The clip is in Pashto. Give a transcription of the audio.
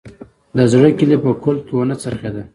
زړه کیلي په قلف کې ونه څرخیدل